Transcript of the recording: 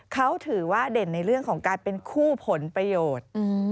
เขาถือว่าเด่นในเรื่องของการเป็นคู่ผลประโยชน์